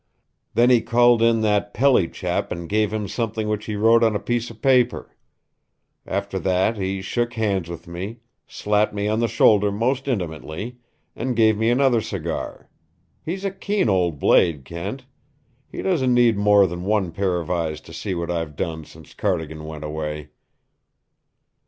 Then he called in that Pelly chap and gave him something which he wrote on a piece of paper. After that he shook hands with me, slapped me on the shoulder most intimately, and gave me another cigar. He's a keen old blade, Kent. He doesn't need more than one pair of eyes to see what I've done since Cardigan went away!"